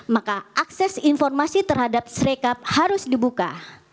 maka akses informasi terhadap srekap harus dibuka